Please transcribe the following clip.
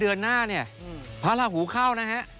เดือนหน้าพระอาหูข้าวนะครับ